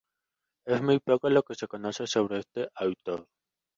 Es muy poco lo que se conoce sobre este autor.